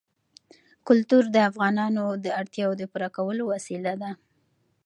کلتور د افغانانو د اړتیاوو د پوره کولو وسیله ده.